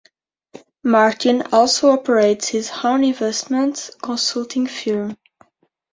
Martin also operates his own investment consulting firm.